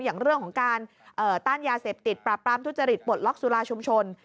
อย่างเรื่องของการต้านยาเสพติดปราบปรามทุจริตปลดล็อกสุราชุมชน